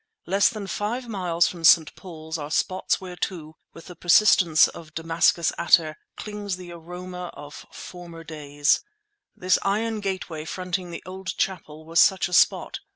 Less than five miles from St. Paul's are spots whereto, with the persistence of Damascus attar, clings the aroma of former days. This iron gateway fronting the old chapel was such a spot.